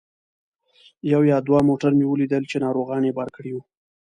یو یا دوه موټر مې ولیدل چې ناروغان یې بار کړي وو.